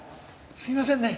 すいませんね